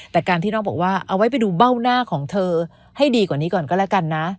แต่การที่น้องบอกว่าเอาไว้ไปดูเบ้าหน้าของเธอให้ดีกว่านี้ก่อนก็แล้วกันนะ